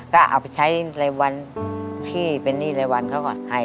อ๋อก็เอาไปใช้รายวันที่เป็นนี่รายวันเขาก็ให้